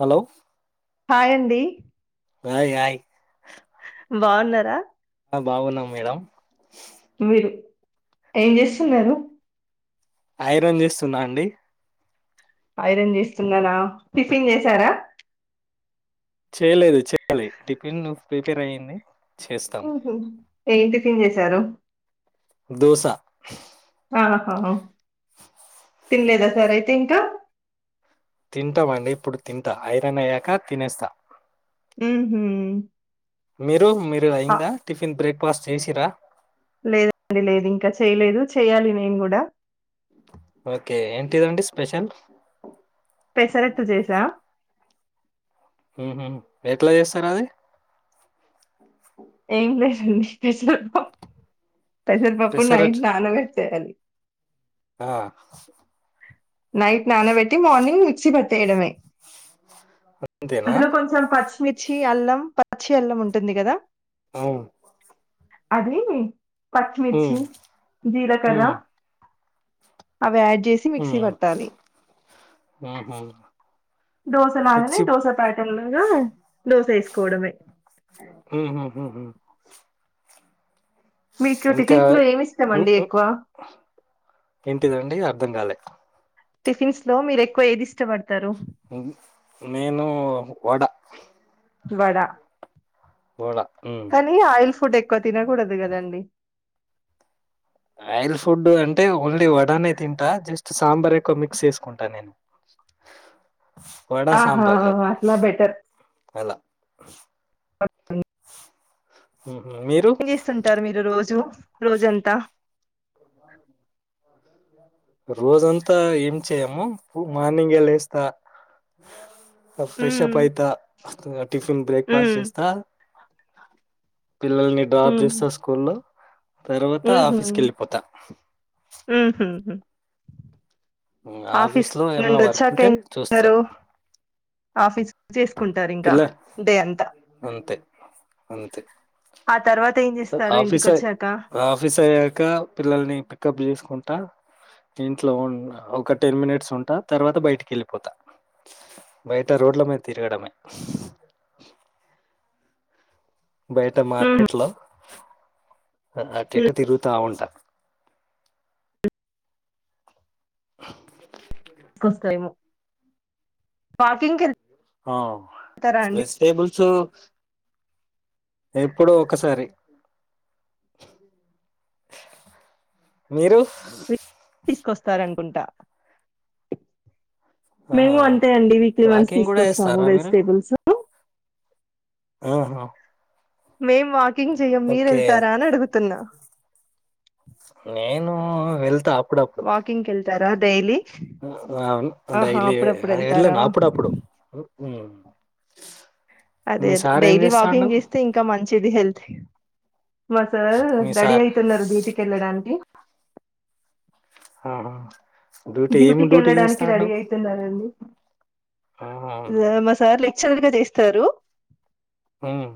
Hello హాయండి hi hi బావున్నా రా బావున్నా మేడం మీరు ఏం చేస్తున్నారు ఐరన్ చేస్తున్నా అండి ఐరన్ చేస్తున్నారా టిఫిన్ చేసారా చేయలేదు చేయాలి టిఫిన్ ను ప్రిపేర్ అయ్యింది చేస్తాం ఊహూ ఏం టిఫిన్ చేసారు దోసా ఆహా తినలేదా సార్ అయితే ఇంకా తింటావండి ఇప్పుడు తింటా ఐరన్ అయ్యాక తినేస్తా ఊహూ మీరు మీరు అయింద టిఫిన్ బ్రేక్ ఉపాస్ చేసిరా లేదండి లేదు ఇంకా చేయలేదు చేయాలి నేను కూడా ఓకే ఏంటిదండి స్పెషల్ పెసరట్టు చేసా ఊహూ ఎట్లా చేస్తారు అది ఏం లేదండి పెసరప పెసరపప్పు నైట్ పెసరట్ నానబెట్టేయాలి ఆ నైట్ నానబెట్టి మార్నింగ్ మిక్సీ పట్టేయడమే అంతేనా అందులో కొంచెం పచ్చిమి మిర్చి అల్లం పచ్చి అల్లం ఉంటుంది కదా ఆమ్ అది పచ్చిమిర్చి జీలకర్ర ఉమ్ అవి యాడ్ చేసి మిక్సీ పట్టాలి. ఉమ్ ఉహ్ ఉమ్ దోశలాగానే దోస ప్యాటర్ లాగా దోశ వేసుకోవడమే. ఉహుహుహు మీకు ఇంకా టిఫిన్స్ లో ఏమి ఇస్తామండి ఎక్కువ? ఇ రండి అర్థం కాలే టిఫిన్స్ లో మీరు ఎక్కువ ఏది ఇష్టపడతారు? ఉమ్ నేను వడ వడ వడ హ్మ్. కానీ ఆయిల్ ఫుడ్ ఎక్ ఏకువ తినకూడదు కదండి. ఆయిల్ ఫుడ్ అంటే ఓన్లీ వడనే తింటా జస్ట్ సాంబార్ ఎక్కువ మిక్స్ చేసుకుంటా నేను. వడ, ఆహా సాంబార్ అట్లా బెటర్ అలా [unintelligible] హుహు. మీరు? ఏం చేస్తుంటారు మీరు రోజు? రోజంత రోజంతా ఏం చేయము పు మార్నింగ్ గే లేస్త ఫస్ట్ హ్మ్ ఫ్రెషప్ అయితా టిఫిన్ బ్రేక్ఫాస్ట్ హ్మ్ చేస్తా పిల్లల్ని డ్రాప్ హ్మ్ చేస్తా స్కూల్లో తర్వాత ఆఫీస్కి వెళ్ళిపోతా ఉహ్ ఉహ్ ఉహ్ ఉమ్ ఆఫీస్ లో ఏమైనా వర్క్ంటే ఏం చూస్తా. చేస్తారు? ఆఫీస్ చే పిల్ల అంతే అంతే ఆ తర్వాత ఏం ఒక చేస్తారు ఆఫీస్ ఏ ఇంటికొచ్చాక ఆఫీస్ అయ్యాక పిల్లల్ని పికప్ చేసుకు కుంటా ఇంట్లో ఒక టెన్ మినిట్స్ ఉంటా తర్వాత బయటికి వెళ్ళిపోతా. బయట రోడ్ల మీద తిరగడమే బయట మార్కెట్ లో [unintelligible] తిరుగుత ఉంటా తీసుకొస్తారేమో వాకింగ్ కెల్ ఆ వెజిటబుల్ సు ఎప్పుడో ఒకసారి మీరు తీసుకొస్తారండి. కుంట ఆహా మేము అంతే అండి వీక్లీ వన్స్ వాకింగ్ కూడా తీసుకొస్తాము. చేస్తారా మీరు వెజిటేబుల్స్ ఆహా మేము వా కింగ్ చెయ్యం మీర్ ఓకే ఏళ్తారా అని అడుగుతున్నా నేను వెళ్తా అప్పుడప్పుడు వాకింగ్ కేళ్తారా డైలీ అవును అంటా ఆహా ఇల్ అప్పుడప్పుడు వెళ్తారా ఎల్లనా అప్పుడు డప్పుడు అదే అదే డైలీ చేస్తాండు వాకింగ్ చేస్తే ఇంకా మంచిది హెల్త్కి మా సార్ మీ రెడీ సార్ అయితున్నారు డ్యూటికి వెళ్ళడానికి ఆ డ్యూటీకి వెళ్ళడానికి రెడీ అయితున్నారండి ఆహా! ఆ మా సార్ చల్లగా చేస్తారు హ్మ్.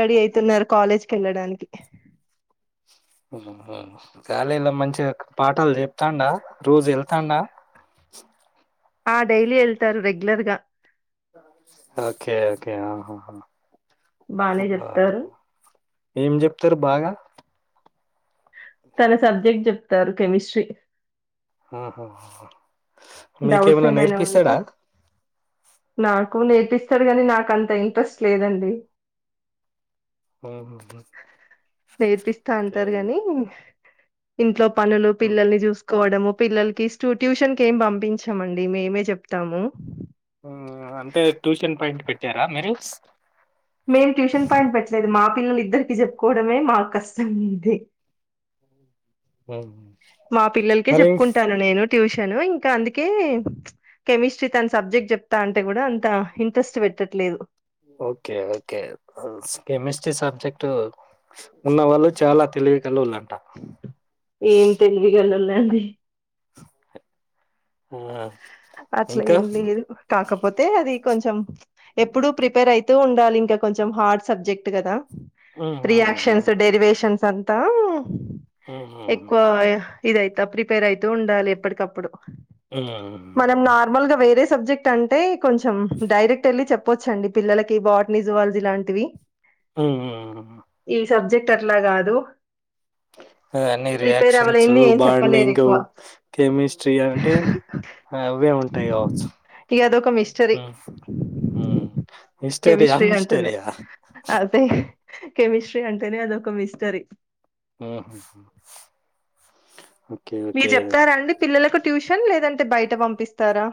రెడీ అయితున్నారు కాలేజ్ కెళ్ళడానికి హహ హా కాలేజ్ లో మంచిగా పాఠాలు చెప్తాండా రోజు ఏళ్తాండా ఆ డైలీ ఏళ్తారు రెగ్యులర్ గా ఓకే ఓకే ఆహా హా బానే హా చెప్తారు ఏం చెప్తారు బాగా తన సబ్జెక్ట్ చెప్తారు కెమిస్ట్రీ ఆహా డౌట్స్ మీకేమన్న ఏమైనా ఉంటే నేర్పిస్తాడా నాకు నేర్పిస్తాడు. కానీ నాకు అంత ఇంట్రెస్ట్ లేదండి. హుహుహు. నేర్పిస్తా ఓకే. అంటారు. గాని ఇంట్లో పనులు హ్మ్. పిల్లల్ని చూస్ కోవడము పిల్లలకి ట్యూషన్కి ఏం పంపి పించామండి మేమే చెప్తాము తరా మిరు స్ మెయిన్ ట్యూషన్ పాయింట్ పెట్ట్లేదు మా పిల్లలు ఇద్దరికి చెప్పుకోవడమే మాకు కష్టం గా ఉంది హ్ హు మా పిల్లలకే చెప్పుకుంటాను నేను ట్యూషను ఇంకా అందుకే కెమిస్ట్రీ తన సబ్జెక్ట్ చెప్తా అంటే కూడా అంత ఇంట్రెస్ట్ పెట్టట్లేదు ఓకే ఓకే కెమిస్ట్రీ సబ్జెక్ట్ ఉన్నవాళ్ళు చాలా తెలివి కలోల్లంట అంది ఉఆ అట్ల ఏం లేదు కాకపోతే అది కొంచెం ఎప్పుడు ప్రిపేర్ అయితూ ఉండాలి ఇంకా కొంచెం హార్డ్ సబ్జెక్ట్ కదా హుహుహు. రియాక్షన్స్ డెరివేషన్స్ అం తా హ్మ్. ఎక్కువ ఇదైతా ప్రిపేరయితూ ఉండాలి ఎప్పటికప్పుడు హ్మ్. మనం నార్మల్గా వేరే స్ సబ్జెక్ట్ అంటే కొంచెం డైరెక్ట్ ఎళ్ళి చెప్ చెప్పొచ్చండి పిల్లలకి బాట్ని జవాల్జి ఇలాంటివి ఉమ్ ఉమ్ ఉమ్ సబ్జెక్ట్ అట్లా కాదు ఆ అన్ని ప్రిపేర్ రియాక్షన్సు అవ్వలేంది ఏం చెప్పలేరు బాండింగ్ ఎక్కువ కెమిస్ట్రీ అంటే ఆ అవే ఉంటాయ్ కావచ్చు ఇక అదొక మిస్టరీ ఉమ్ ఉమ్ హిష్టరియా కెమిస్ట్రీ అంటేనే మిష్టరియా అదే కెమిస్ట్రీ అంటేనే అదొ ఒక మిస్టరీ ఉమ్ హూ మీర్ చెప్తారండి పిల్లలకు ట్యూషన్ లేదంటే బయట పంపిస్తారా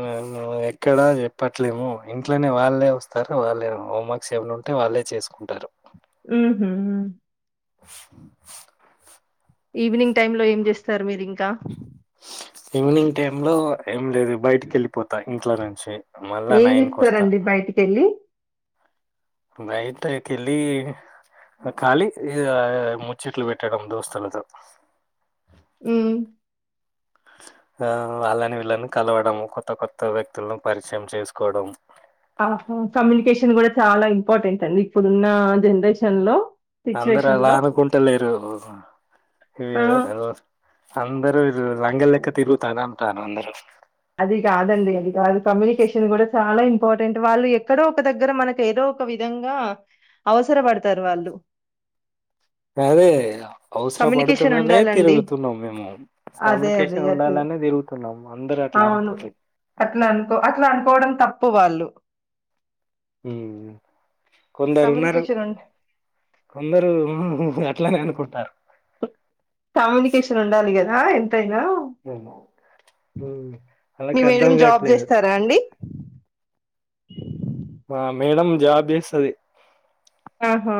ఆ హా ఎక్కడా చెప్పట్లేము ఇంట్లోనే వాళ్ళే వస్తారు వాళ్ళే హోమ్వర్క్స్ ఎమైనా ఉంటే వాళ్ళే చేసుకుంటారు ఉమ్ హూ ఈవినింగ్ టైమ్ లో ఏం చేస్తారు మీరు ఇంకా ఈవినింగ్ టైమ్ లో ఏం లేదు బయటికి వెళ్ళిపోతా ఇంట్లో నుంచి మళ్ళా ఏం చిప్తారండి బయటికెళ్ళి బయటకెళ్ళి కాలీ ఇగ ముచ్చట్లు పెట్టడం దోస్తులతో ఉమ్ ఆ వాళ్ళని వీళ్ళని కలవడం కొత్త కొత్త వ్యక్తులను పరిచయం చేసుకోవడం ఆ హా కమ్యూనికేషన్ కూడ చాలా ఇంపార్టెంటండి ఇప్పుడున్న జనరేషన్లో అందరు అలా అనుకుంట లేరు ఆ! మీరు అందరు లంగల్లెక్క తిరుగుతాన అంటారందరు అది కాదండి అది కాదు కమ్యూనికేషన్ కూడ చాల ఇంపార్టెంట్ వాళ్ళు ఎక్కడో ఒక దగ్గర మనకు ఏదో ఒక విధంగా అవసరపడతారు వాళ్ళు అదే అవసర కమ్యూనికేషన్ పడుతుందనే ఉండాలండి. తిరుగుతున్నాం మేము అదే. అదే. కమ్యూనికేషన్ అదే. ఉండాలనే తిరుగుతున్నాం అందరం అవును అట్లా అనుకో అట్లా అనుకోవడం త ప్పు వాళ్ళు హ్మ్ కొందరు ఉన్నారు కమ్యూనికేషన్ ఉ కొందరూ హూ హూ అట్లనే అనుకుంటారు కమ్యూనికేషన్ ఉండాలి గదా ఎం తైన ఉమ్. ఉమ్. మీ వాళ్ళకి మేడం అర్థం జాబ్ కావట్లేదు చేస్తారా అండి మా మేడం జాబ్ చేస్తది ఆహా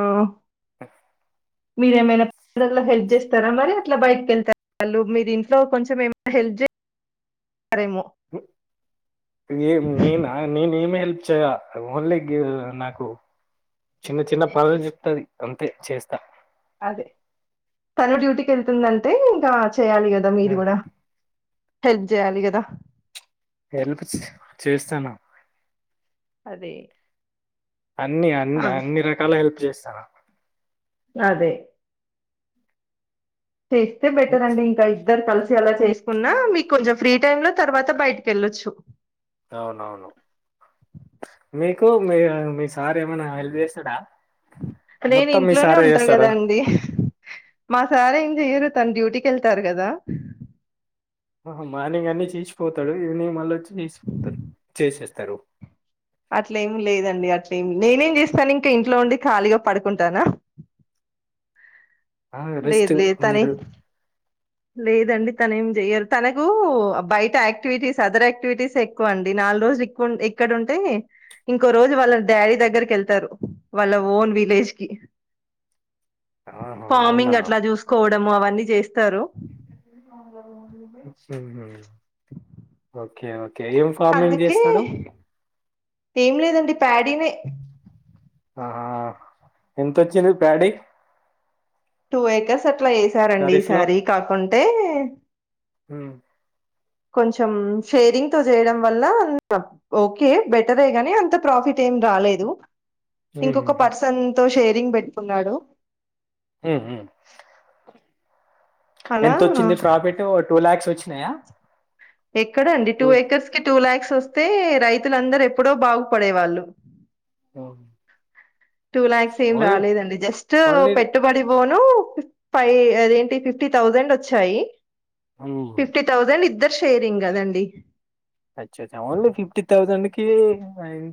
మీరేమైనా పిల్లలకి హెల్ప్ చేస్తారా మరి అట్లా బయటకి వెళ్తారా వాళ్ళు మీరు ఇంట్లో కొంచెం ఏమైన హెల్ప్ చేస్తారేమో నేం నేనా నేం ఏం హెల్ప్ చెయ ఓన్లీ నాకు చిన్న చిన్న పనులు చెప్తది అంతే చేస్తా అదే తను డ్యూటీకి వెళ్తుందంటే ఇంకా చేయాలి కదా మీరు కూడ హెల్ప్ చేయాలి గదా హెల్ప్ చేస్తాను అదే అన్ని అన్ని అవ్- అన్ని రకాల హెల్ప్ చేస్ స్త [unintelligible] అదే చేస్తే బెటర్ అండి ఇంకా ఇద్దరు కలిసి అలా చేసుకున్నా మీకు కొంచెం ఫ్రీ టైమ్ లో తర్వాత బయటికి వెళ్ళొచ్చు అవునవును మీకు మీ మీ సార్ ఏమైనా హెల్ప్ చేస్తడా నేను ఇంట్లోనే ఉంటాను కదా అండి మా సారేం చెయ్యరు తన డ్యూటీకి కెళ్తారు కదా మార్నింగ్ అన్ని చేసి పోతాడు ఈవినింగ్ మళ్ళీచ్చి తీసిపోతాడు చేసేస్తారు అట్ల ఏమి లేదండి అట్లేమి నేనేం చేస్తాను ఇంకా ఇంట్లో ఉండి ఖాళీగా పడుకుంటానా ఆ రెస్ట్ లేదు లేదు తనే మీరు లేదండి తను ఏం చెయరు తనకు బయట యాక్టివిటీస్ అదర్ యాక్టివిటీస్ ఎక్కువ అండి నాలుగు రోజులుక్కు ఇక్కడంటే ఇంకో రోజు వాళ్ళ డాడీ దగ్గరకి వెళ్తారు వాళ్ళ ఓన్ విలేజ్ కి ఆహా అవునా ఫార్మింగ్ అట్లా చూసుకోవడము అవన్నీ చేస్తారు మ్మ్. ఓకే ఓకే ఏం ఫార్మింగ్ అందుకే చేస్తాడు ఏం లేదండి ప్యాడినే ఆహా ఎంతొచ్చింది ప్యాడీ టూ ఎకరాస్ అట్లా యేసారండి ఖరీఫ్ ఈసారి కాకుంటే ఉ కొంచెం షేరింగ్ తో చేయడం వల్ల ఓకే బెటరే గానీ అంత ప్రాఫిట్ ఏం రాలేదు ఉమ్, ఇంకొక ఉమ్, పర్సన్ తో షేరింగ్ పెట్ ఉన్నాడు ఉహు అలా ఎంతొచ్చింది ప్రాఫిట్ఓ టూ ల్యాక్స్ వచ్చి నాయ ఎక్కడ అండి టూ ఏకర్స్ కి టూ లాక్స్ అంత వస్తే రైతులందరూ ఎప్పుడో బాగుపడే వాళ్ళు ఓహ్ టూ ల్యాక్స్ ఏం రాలేదండి జస్ట్ ఓన్లీ పెట్టుబడి పోని ఫైవ్ అదేంటి ఫిఫ్టీ థౌజండ్ వచ్చాయి ఫిఫ్టీ థౌసండ్ ఇద్దరు షేరింగ్ కదండి అచ్చ అచ్చ ఓన్లీ ఫిఫ్టీ థౌజండ్ కి వైన్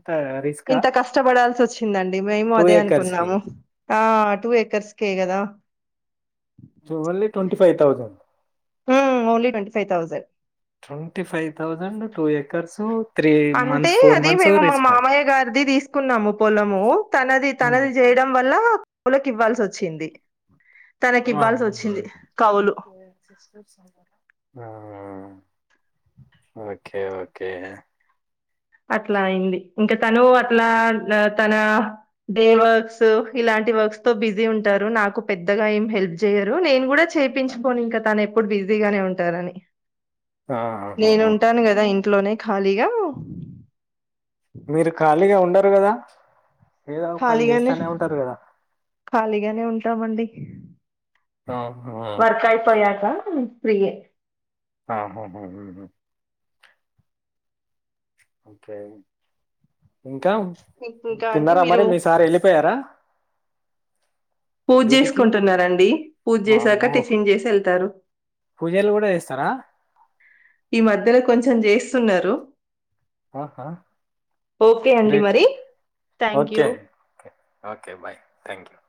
ఇంత కష్టపడాల్సి వచ్చిందండి మేము టూ అదే ఏకర్స్ కి అనుకున్నాము ఆ టూ ఎకర్స్ కె కదా జవలీ ట్వంటీ ఫైవ్ థౌజెండ్ ఉ only twenty five thousand twenty five thousand two acres అంటే అది మేము మా మామయ్య గారిది తీసుకున్నాము పొలము తనది తనది చేయడం వల్ల పూలకి ఇవ్వాల్సి వచ్చింది ఇమా ఉ కవులు. ఓకే ఓకే అట్లా అయింది ఇంకా తను అట్లా తన డే వర్క్స్ ఇలాంటి వర్క్స్ తో బిజీ ఉంటారు నాకు పెద్దగా ఏం హెల్ప్ చేయరు నేను కూడా చేపించుకోను ఇంకా తను ఎప్పుడు బిజీగానే ఉంటారని ఆహాహా నేనుంటాను కదా ఇన్ ఇంట్లోనే ఖాళీగా మీరు ఖాళీగా ఉండార్ రు కదా ఏదో ఒక పని కాలిగానే చేస్తానే ఉంటారు కదా కాలిగానే ఉంటమడి ఆ హ వహున్ ఫ్రీ ఏ ఆహా హు హూ ఓకే ఉ ఇంకా ఇంక్ ఇంకా అండి తిన్నారా మరి మీరు మీ సార్ వెళ్ళిపోయారా పూజ డ్యూటీకి చేసుకుంటున్నారండి పూజ చేసాక వామ్మో టిఫిన్ చేసి వెళ్తారు పూజలు కూడా చేస్తారా ఈ మధ్యలో కొంచెం చేసి చేస్తున్నారు ఆహా ఓకే అండి రైట్ మరి. Thank okay you. Okay bye thank you